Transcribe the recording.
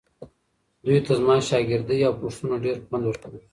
دوی ته زما شاګردۍ او پوښتنو ډېر خوند ورکاوو.